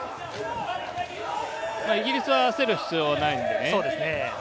イギリスは焦る必要はないので。